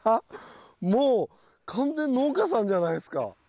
もう完全農家さんじゃないですか。